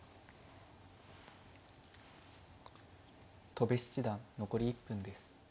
戸辺七段残り１分です。